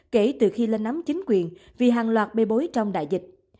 kể từ khi lên nắm chính quyền vì hàng loạt bê bối trong đại dịch